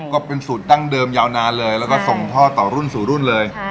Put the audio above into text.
ก็เป็นสูตรดั้งเดิมยาวนานเลยแล้วก็ส่งท่อต่อรุ่นสู่รุ่นเลย